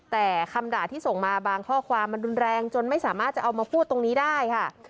แต่คำด่าที่ส่งมาบางข้อความมันรุนแรงจนไม่สามารถจะเอามาพูดตรงนี้ได้ค่ะ